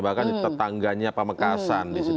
bahkan tetangganya pemekasan